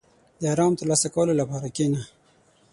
• د آرام ترلاسه کولو لپاره کښېنه.